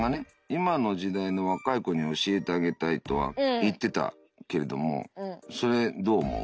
「今の時代の若い子に教えてあげたい」とは言ってたけれどもそれどう思う？